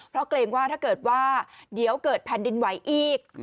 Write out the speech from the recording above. เพราะเกรงว่าถ้าเกิดว่าเดี๋ยวเกิดแผ่นดินไหวอีก